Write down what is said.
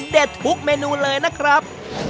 ทุกเมนูเลยนะครับ